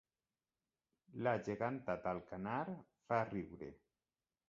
La geganta d'Alcanar fa riure